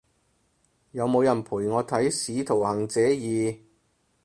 有冇人陪我睇使徒行者二？